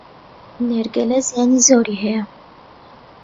نێرگەلە زیانی زۆری هەیە